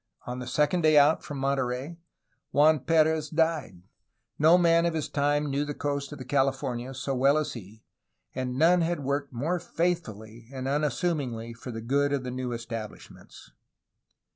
On the second day out from Monterey, Juan P^rez died; no man of his time knew the coast of the Californias so well as he, and none had worked more faithfully and unassumingly for the good of the new estabhshments.